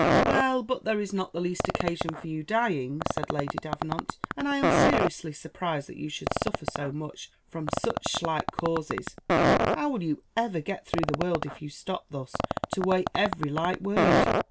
"Well! but there is not the least occasion for your dying," said Lady Davenant, "and I am seriously surprised that you should suffer so much from such slight causes; how will you ever get through the world if you stop thus to weigh every light word?"